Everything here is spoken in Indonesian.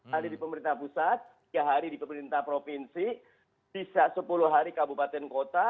hari di pemerintah pusat tiga hari di pemerintah provinsi bisa sepuluh hari kabupaten kota